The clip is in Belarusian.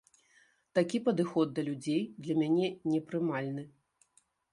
Такі падыход да людзей для мяне непрымальны.